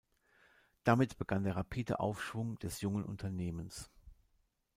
Damit begann der rapide Aufschwung des jungen Unternehmens.